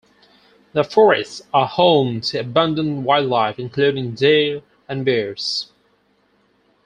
The forests are home to abundant wildlife, including deer and bears.